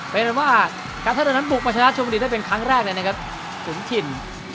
เพราะฉะนั้นว่าการเทศนั้นบุกมาชนะชมบุรีได้เป็นครั้งแรกนะครับฝุ่นถิ่น